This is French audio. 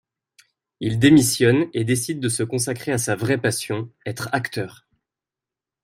Il démissionne et décide de se consacrer à sa vraie passion, être acteur.